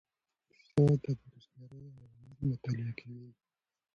اقتصاد د بیروزګارۍ عوامل مطالعه کوي.